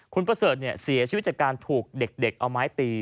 คุณประเสริฐเสียชีวิตจากการถูกเด็กเอาไม้ตี